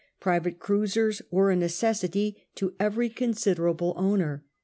Private cruisers were a necessity to every considerable owner.